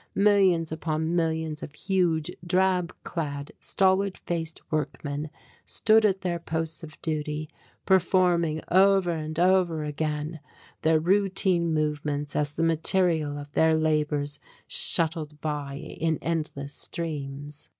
Millions upon millions of huge, drab clad, stolid faced workmen stood at their posts of duty, performing over and over again their routine movements as the material of their labors shuttled by in endless streams.